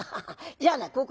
じゃあな